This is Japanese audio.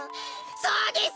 そうです！